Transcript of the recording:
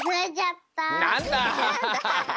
なんだ！